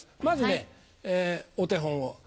まずねお手本を。